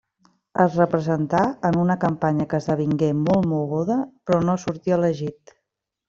Es representà, en una campanya que esdevingué molt moguda, però no sortí elegit.